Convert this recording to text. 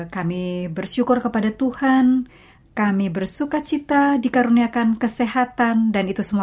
kami bersyukur kepada tuhan kami bersuka cita dikaruniakan kesehatan dan itu semua